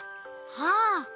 ああ！